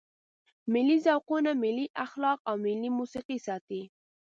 ملي ذوقونه، ملي اخلاق او ملي موسیقي ساتي.